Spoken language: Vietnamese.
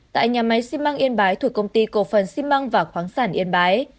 tại nhà máy xiên măng yên bái thuộc công ty cổ phần xiên măng và khoáng sản yên bái